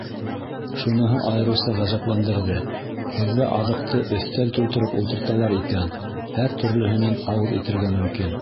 Шуныһы айырыуса ғәжәпләндерҙе: һеҙҙә аҙыҡты өҫтәл тултырып ултырталар икән, һәр төрлөһөнән ауыҙ итергә мөмкин.